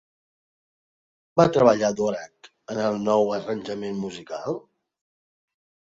Quan va treballar Dvořák en el nou arranjament musical?